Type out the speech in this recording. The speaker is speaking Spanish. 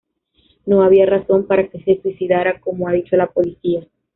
No había razón para que se suicidara, como ha dicho la policía.